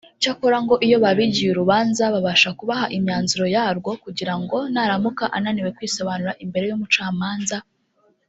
Cyakora ngo iyo babigiye urubanza babasha kubaha imyanzuro yarwo kugira ngo naramuka ananiwe kwisobanura imbere y’Umucamanza